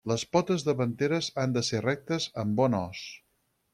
Les potes davanteres han de ser rectes amb bon os.